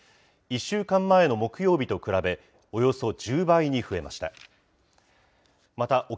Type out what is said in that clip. １週間前の木曜日と比べ、およそ１０倍に増えました。